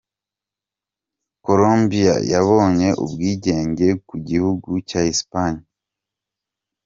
Colombiya yabonye ubwigenge ku gihugu cya Espanyi.